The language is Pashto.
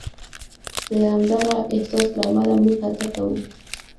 د همدغه احساس له امله موږ هڅه کوو.